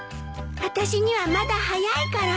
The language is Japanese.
私にはまだ早いから。